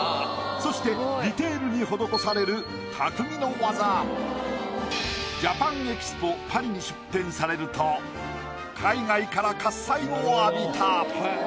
そしてディテールに施される匠の技。に出展されると海外から喝采を浴びた。